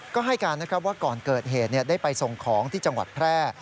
ก็ให้การนะครับว่าก่อนเกิดเหตุได้ไปส่งของที่จังหวัดแพร่